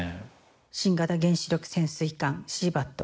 「新型原子力潜水艦シーバット。